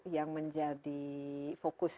yang menjadi fokus